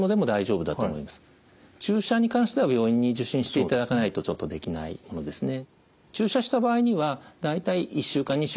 注射に関しては病院に受診していただかないとちょっとできないものですね。